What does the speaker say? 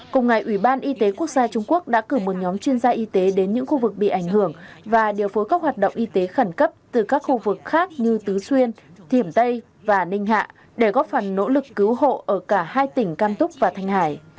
cùng ngày ủy ban y tế quốc gia trung quốc đã cử một nhóm chuyên gia y tế đến những khu vực bị ảnh hưởng và điều phối các hoạt động y tế khẩn cấp từ các khu vực khác như tứ xuyên thiểm tây và ninh hạ để góp phần nỗ lực cứu hộ ở cả hai tỉnh cam túc và thanh hải